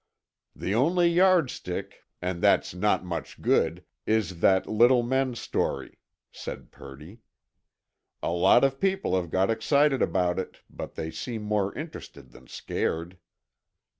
"The only yardstick—and that's not much good—is that 'little men' story," said Purdy. "A lot of people have got excited about it, but they seem more interested than scared."